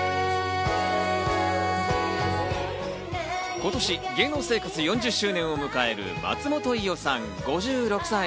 今年、芸能生活４０周年を迎える松本伊代さん５６歳。